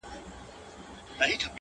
ښكلي چي گوري- دا بيا خوره سي-